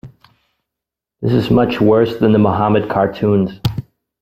This is much worse than the Muhammad cartoons.